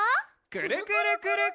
「くるくるくるっ」。